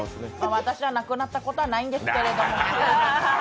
私はなくなったことはないんですけど。